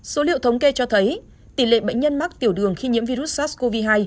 số liệu thống kê cho thấy tỷ lệ bệnh nhân mắc tiểu đường khi nhiễm virus sars cov hai